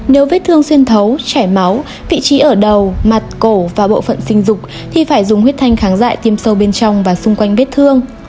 nếu vết thương xuyên thấu chảy máu vị trí ở đầu mặt cổ và bộ phận sinh dục thì phải dùng huyết thanh kháng dại tiêm sâu bên trong và xung quanh vết thương